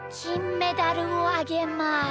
メダルをあげます。